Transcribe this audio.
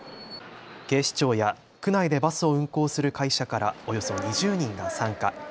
警視庁や区内でバスを運行する会社からおよそ２０人が参加。